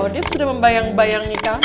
kasian lho dia sudah membayang bayangi kami